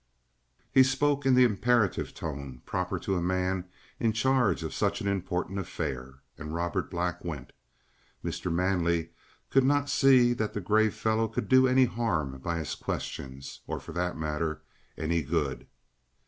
He spoke in the imperative tone proper to a man in charge of such an important affair, and Robert Black went. Mr. Manley could not see that the grave fellow could do any harm by his questions, or, for that matter, any good.